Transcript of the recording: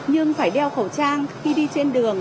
nhưng phải đeo khẩu trang khi đi trên đường